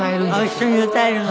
一緒に歌えるの？